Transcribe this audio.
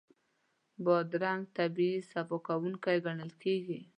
بادرنګ طبعي صفا کوونکی ګڼل کېږي.